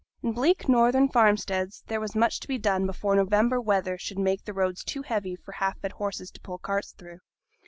In bleak northern farmsteads there was much to be done before November weather should make the roads too heavy for half fed horses to pull carts through.